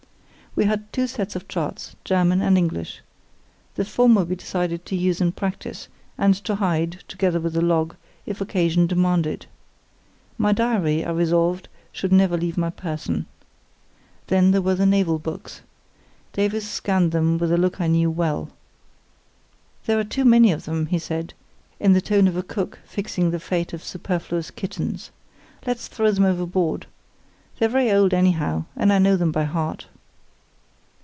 We had two sets of charts, German and English. The former we decided to use in practice, and to hide, together with the log, if occasion demanded. My diary, I resolved, should never leave my person. Then there were the naval books. Davies scanned them with a look I knew well. "There are too many of them," he said, in the tone of a cook fixing the fate of superfluous kittens. "Let's throw them overboard. They're very old anyhow, and I know them by heart."